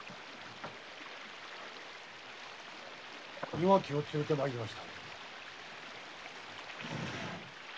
岩木を連れて参りました。